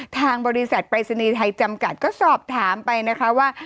ทางบริษัทปรายศนีย์ไทยจำกัดก็สอบถามไปนะคะว่า